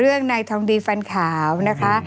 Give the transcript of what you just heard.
เรื่องในทองดีฟันขาวนะคะ